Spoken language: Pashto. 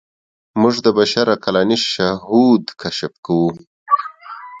موږ د بشر عقلاني شهود کشف کوو.